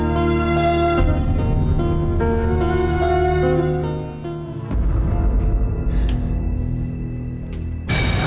ketemu kita di atas